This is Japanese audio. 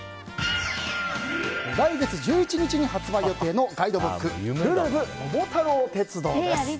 来月１１日に発売予定のガイドブック「るるぶ桃太郎電鉄」です。